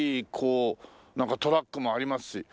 こうトラックもありますし。